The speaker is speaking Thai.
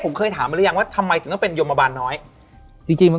ผมเคยถามมั้ยยังว่าทำไมต้องเป็นยมมาบานน้อยจริงมัน